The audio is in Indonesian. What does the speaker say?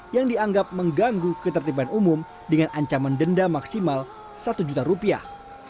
yang dianggap mengganggu ketertiban umum dengan ancaman denda maksimal satu juta rupiah